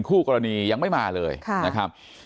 คู่กรณียังไม่มาเลยนะครับ